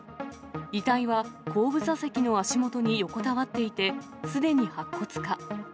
遺体は、後部座席の足元に横たわっていて、すでに白骨化。